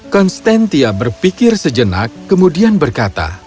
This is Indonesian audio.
konstantia berpikir sejenak kemudian berkata